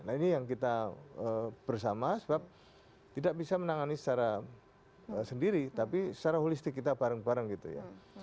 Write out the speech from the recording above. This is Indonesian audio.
nah ini yang kita bersama sebab tidak bisa menangani secara sendiri tapi secara holistik kita bareng bareng gitu ya